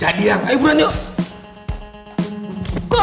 jadi ya ayo buran yuk